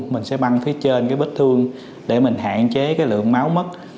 mình sẽ băng phía trên cái vết thương để mình hạn chế cái lượng máu mất